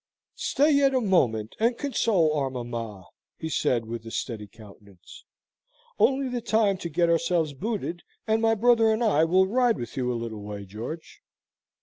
"Stay yet a moment, and console our mamma," he said with a steady countenance, "only the time to get ourselves booted, and my brother and I will ride with you a little way, George."